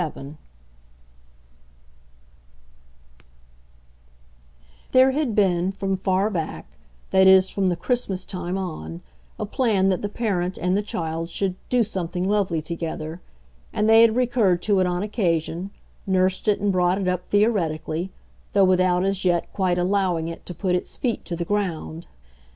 XXVII There had been, from far back that is from the Christmas time on a plan that the parent and the child should "do something lovely" together, and they had recurred to it on occasion, nursed it and brought it up theoretically, though without as yet quite allowing it to put its feet to the ground.